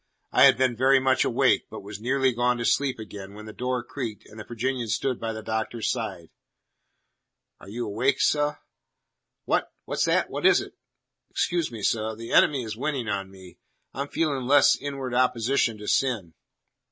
I had been very much awake, but was nearly gone to sleep again, when the door creaked and the Virginian stood by the Doctor's side. "Are you awake, seh?" "What? What's that? What is it?" "Excuse me, seh. The enemy is winning on me. I'm feeling less inward opposition to sin."